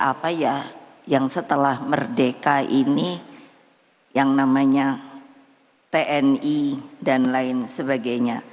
apa ya yang setelah merdeka ini yang namanya tni dan lain sebagainya